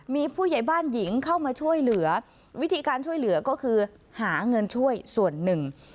มีผู้ใหญ่บ้านหญิงเข้ามาช่วยเหลือวิธีการช่วยเหลือก็คือหาเงินช่วยส่วนหนึ่ง